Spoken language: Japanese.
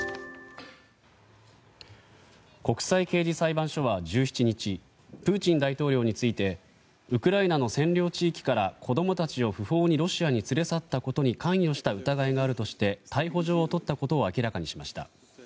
国際刑事裁判所は１７日プーチン大統領についてウクライナの占領地域から子供たちを不法にロシアに連れ去ったことに関与した疑いがあるとして逮捕状を取ったことを明らかにしました。